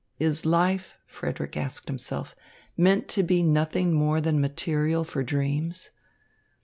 "Is life," Frederick asked himself, "meant to be nothing more than material for dreams?